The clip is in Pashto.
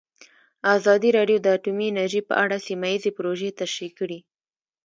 ازادي راډیو د اټومي انرژي په اړه سیمه ییزې پروژې تشریح کړې.